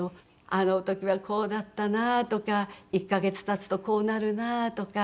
あの時はこうだったなとか１カ月経つとこうなるなとか。